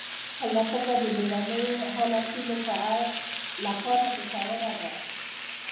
الوتکه د بېړنیو حالتونو لپاره ګټوره ده.